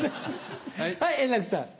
はい円楽さん。